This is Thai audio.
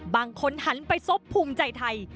หันไปซบภูมิใจไทย